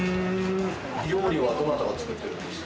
料理はどなたが作ってるんですか？